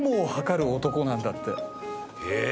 「へえ」